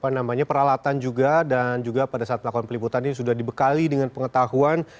namanya peralatan juga dan juga pada saat melakukan peliputan ini sudah dibekali dengan pengetahuan